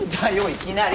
いきなり！